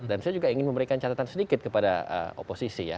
dan saya juga ingin memberikan catatan sedikit kepada oposisi ya